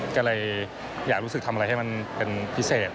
ก็เลยอยากรู้สึกทำอะไรให้มันเป็นพิเศษ